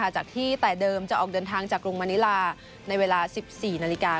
จากที่แต่เดิมจะออกเดินทางจากกรุงมณิลาในเวลา๑๔นาฬิกา